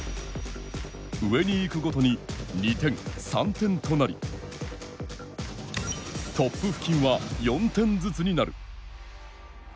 上に行くごとに２点、３点となりトップ付近は４点ずつになる。